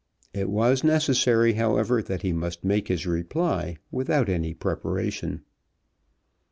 It was necessary, however, that he must make his reply without any preparation.